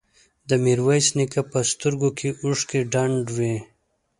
د ميرويس نيکه په سترګو کې اوښکې ډنډ وې.